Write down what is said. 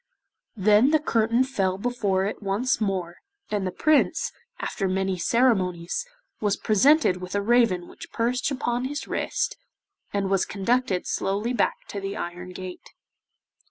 Then the curtain fell before it once more, and the Prince, after many ceremonies, was presented with a raven which perched upon his wrist, and was conducted slowly back to the iron gate.